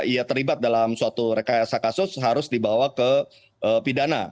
ia terlibat dalam suatu rekayasa kasus harus dibawa ke pidana